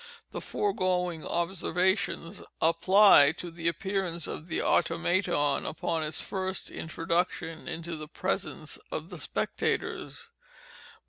The foregoing observations apply to the appearance of the Automaton upon its first introduction into the presence of the spectators.